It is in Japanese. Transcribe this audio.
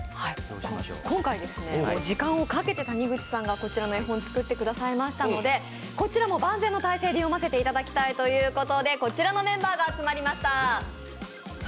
今回時間をかけて谷口さんがこちらの絵本を作ってくださったので、こちらも万全の体制で読ませていただきたいということで、こちらのメンバーが集まりました。